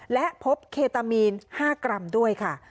และพบเคตามีน๕กรัมด้วยค่ะ